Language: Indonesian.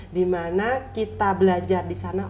dimana kita belajar di sana